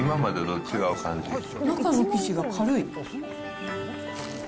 中の生地が軽い。